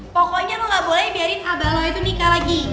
pokoknya lo gak boleh biarin abalo itu nikah lagi